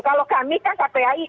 kalau kami kan kpi